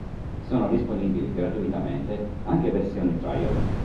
Sono disponibili gratuitamente anche versioni trial.